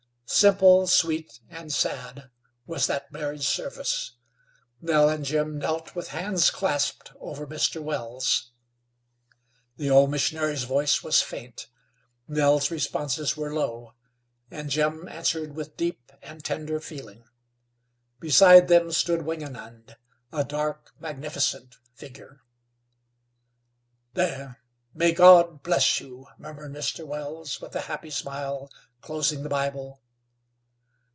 Simple, sweet and sad was that marriage service. Nell and Jim knelt with hands clasped over Mr. Wells. The old missionary's voice was faint; Nell's responses were low, and Jim answered with deep and tender feeling. Beside them stood Wingenund, a dark, magnificent figure. "There! May God bless you!" murmured Mr. Wells, with a happy smile, closing the Bible.